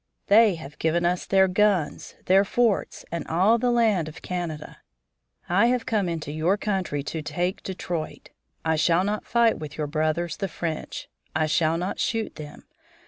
They have given us their guns, their forts, and all the land of Canada. I have come into your country to take Detroit. I shall not fight with your brothers, the French; I shall not shoot them.